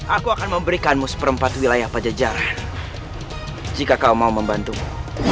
aku akan memberikanmu seperempat wilayah pajajaran jika kau mau membantumu